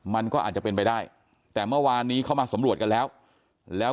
มันก็อาจจะเป็นไปได้แต่เมื่อวานนี้เข้ามาสำรวจกันแล้วแล้ว